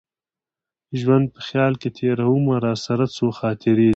ژوند په خیال کي تېرومه راسره څو خاطرې دي